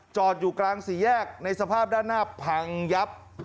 จอดอยู่กลางสี่แยกในสภาพด้านหน้าพังยับ